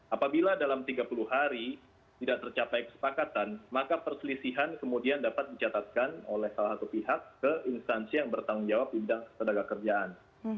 apabila dalam tiga puluh hari tidak tercapai kesepakatan maka perselisihan kemudian dapat dicatatkan oleh salah satu pihak ke instansi yang bertanggung jawab di bidang tenaga kerjaan